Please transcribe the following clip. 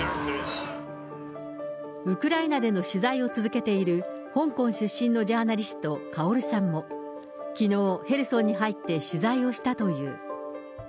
ウクライナでの取材を続けている香港出身のジャーナリスト、カオルさんも、きのう、ヘルソンに入って取材をしたという。